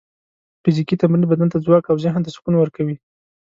فزیکي تمرین بدن ته ځواک او ذهن ته سکون ورکوي.